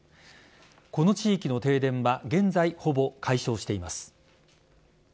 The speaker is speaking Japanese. この地域の停電は現在ほぼ解消しています。